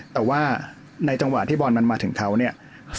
แต่ว่าในจังหวะที่บอลมันมาถึงเขาเนี่ย